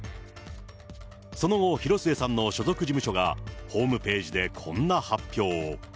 その後、広末さんの所属事務所がホームページでこんな発表を。